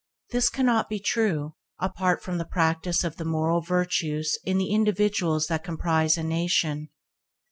This cannot be true apart from the practice of the moral virtues in the individuals that comprise a nation.